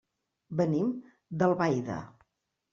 Venim d'Albaida.